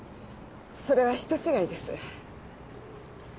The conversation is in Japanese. それは人違いです。